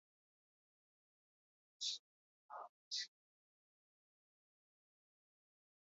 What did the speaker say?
Jaume Salom i Vidal va ser un dramaturg nascut a Barcelona.